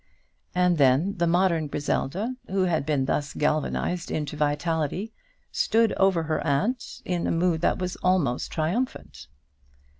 And then the modern Griselda, who had been thus galvanised into vitality, stood over her aunt in a mood that was almost triumphant.